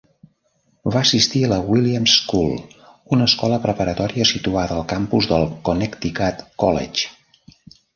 Va assistir a la Williams School, una escola preparatòria situada al campus del Connecticut College.